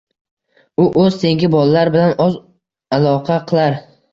U “o’z tengi bolalar bilan oz aloqa qilar